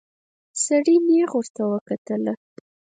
سړي نيغ ورته وکتل.